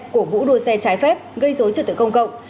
cổ vũ đua xe trái phép gây dối trật tự công cộng